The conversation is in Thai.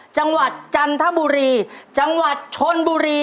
จังหวัดจันทบุรี